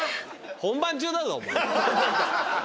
本番中だぞお前。